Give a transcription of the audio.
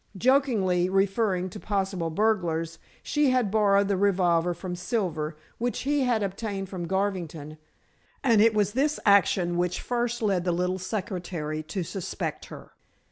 Jokingly referring to possible burglars, she had borrowed the revolver from Silver which he had obtained from Garvington, and it was this action which first led the little secretary to suspect her.